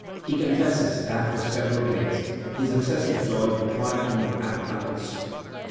He confesses that for several days his excessive joy deprived him of appetite and sleep.